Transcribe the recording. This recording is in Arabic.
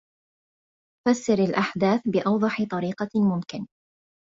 فسر الأحداث بأوضح طريقة ممكن.